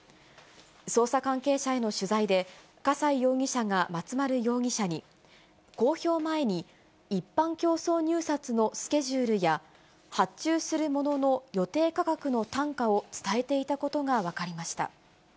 捜査関係者への取材で、笠井容疑者が松丸容疑者に、公表前に一般競争入札のスケジュールや、発注する物の予定価格の単価を伝えていたことが分かりました。